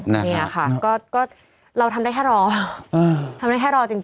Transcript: เนี่ยค่ะก็เราทำได้แค่รอทำได้แค่รอจริง